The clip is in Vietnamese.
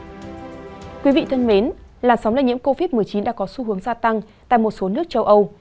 thưa quý vị thân mến làn sóng lây nhiễm covid một mươi chín đã có xu hướng gia tăng tại một số nước châu âu